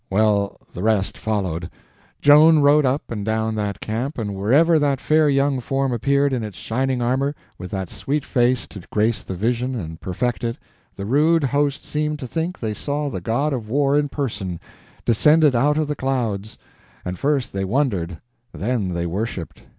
Well, the rest followed. Joan rode up and down that camp, and wherever that fair young form appeared in its shining armor, with that sweet face to grace the vision and perfect it, the rude host seemed to think they saw the god of war in person, descended out of the clouds; and first they wondered, then they worshiped.